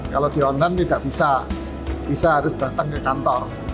kalau di online tidak bisa harus datang ke kantor